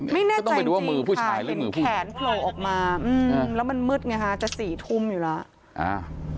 ไม่แน่ใจจริงค่ะเห็นแขนโผล่ออกมาแล้วมันมืดไงค่ะจะสี่ทุ่มอยู่แล้ว